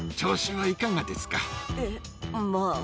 ええ、まあ。